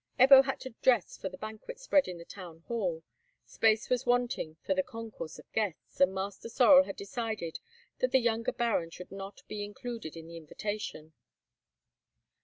Ebbo had to dress for the banquet spread in the town hall. Space was wanting for the concourse of guests, and Master Sorel had decided that the younger Baron should not be included in the invitation.